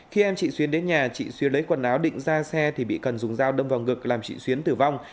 khi anh chị xuyến đến nhà chị xuya lấy quần áo định ra xe thì bị cần dùng dao đâm vào ngực làm chị xuyến tử vong